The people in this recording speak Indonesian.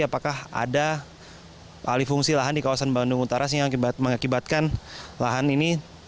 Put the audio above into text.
apakah ada alih fungsi lahan di kawasan bandung utara yang mengakibatkan lahan ini